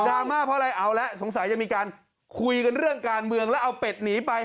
ราม่าเพราะอะไรเอาละสงสัยจะมีการคุยกันเรื่องการเมืองแล้วเอาเป็ดหนีไป